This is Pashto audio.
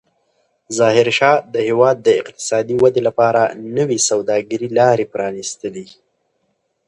ظاهرشاه د هېواد د اقتصادي ودې لپاره نوې سوداګریزې لارې پرانستلې.